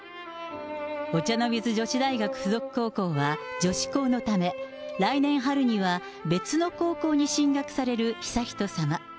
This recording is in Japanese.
お茶の水女子大学附属高校は女子高のため、来年春には別の高校に進学される悠仁さま。